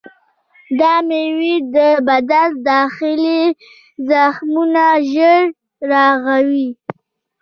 دا میوه د بدن داخلي زخمونه ژر رغوي.